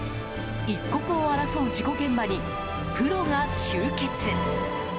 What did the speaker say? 一刻を争う事故現場にプロが集結。